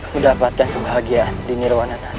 mendapatkan kebahagiaan di nirwana